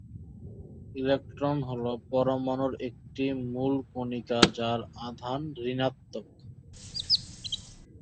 Electron হলো পরমাণুর একটি মূল কণিকা যার আধান ঋণাত্মক।